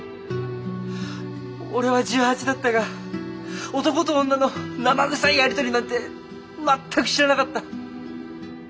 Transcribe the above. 俺は１８だったが男と女の生臭いやり取りなんて全く知らなかった。